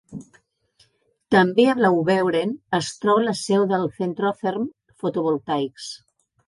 També a Blaubeuren es troba la seu de Centrotherm Photovoltaics.